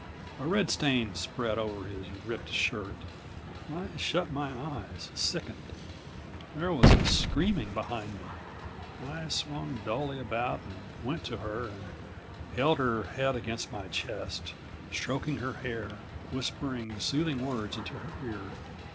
A red stain spread over his ripped shirt. I shut my eyes, sickened. There was a screaming behind me. I swung dully about and went to her and held her head against my chest, stroking her hair, whispering soothing words into her ear.